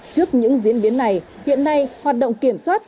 trước những diễn biến này hiện nay hoạt động kiểm soát